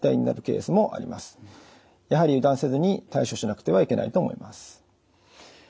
やはり油断せずに対処しなくてはいけないと思います。